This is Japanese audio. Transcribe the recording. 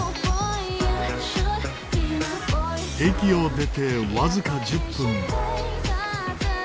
駅を出てわずか１０分。